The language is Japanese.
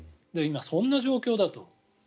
今、そんな状況だと。